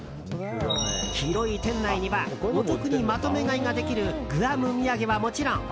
広い店内にはお得にまとめ買いができるグアム土産はもちろん。